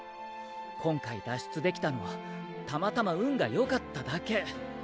今回脱出できたのはたまたま運がよかっただけ。